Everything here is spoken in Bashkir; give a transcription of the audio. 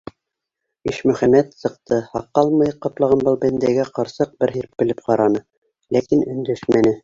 Ишмөхәмәт сыҡты, һаҡал-мыйыҡ ҡаплаған был бәндәгә ҡарсыҡ бер һирпелеп ҡараны, ләкин өндәшмәне.